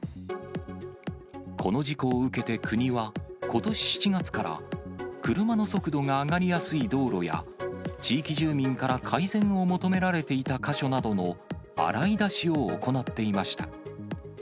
この事故を受けて国は、ことし７月から、車の速度が上がりやすい道路や、地域住民から改善を求められていた箇所などの洗い出しを行っていました。